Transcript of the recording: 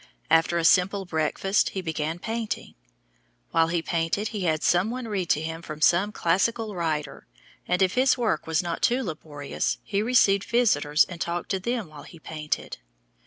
After a simple breakfast he began painting. While he painted he had some one read to him from some classical writer, and if his work was not too laborious, he received visitors and talked to them while he painted.